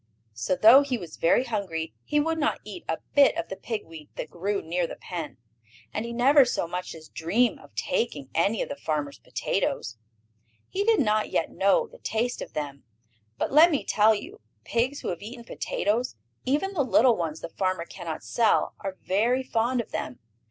So, though he was very hungry, he would not eat a bit of the pig weed that grew near the pen. And he never so much as dreamed of taking any of the farmer's potatoes. He did not yet know the taste of them. But, let me tell you, pigs who have eaten potatoes, even the little ones the farmer cannot sell, are very fond of them.